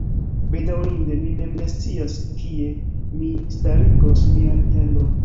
Bedaŭrinde, mi mem ne scias, kie mi starigos mian tendon.